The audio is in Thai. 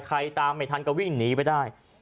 ตามไม่ทันก็วิ่งหนีไปได้